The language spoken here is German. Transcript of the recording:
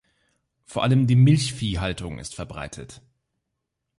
Vor allem die Milchviehhaltung ist verbreitet.